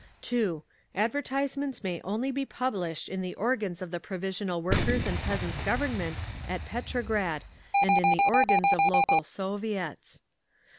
2. Advertisements may only be published in the organs of the Provisional Workers' and Peasants' Government at Petrograd, and in the organs of local Soviets.